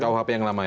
kuhp yang lama ya